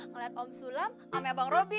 ngeliat om sulam sama abang robi